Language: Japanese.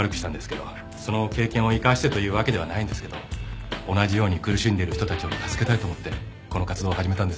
その経験を生かしてというわけではないんですけど同じように苦しんでいる人たちを助けたいと思ってこの活動を始めたんです。